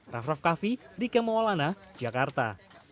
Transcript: raff raff kaffi di kemowalana jakarta